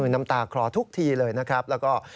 น้ำตาคลอทุกทีเลยนะครับแล้วก็